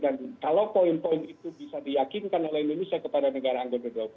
dan kalau poin poin itu bisa diyakinkan oleh indonesia kepada negara anggota g dua puluh